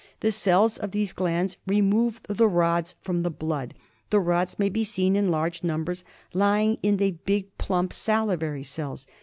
The cells of these glands remove the rods from the blood. The rods may be seen in great numbers lying in the big, plnmp salivary cells.